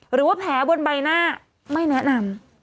หรือว่าแผลบนใบหน้าไม่แนะนำ